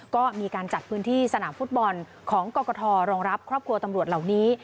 ก็มีการจัดพื้นที่สนามฟุตบอลของกรกฐรองรับครอบครัวตำรวจเหล่านี้